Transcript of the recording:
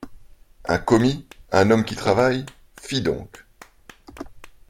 Un commis, un homme qui travaille, fi donc !